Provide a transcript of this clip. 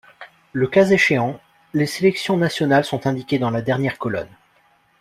Le cas échéant, les sélections nationales sont indiquées dans la dernière colonne.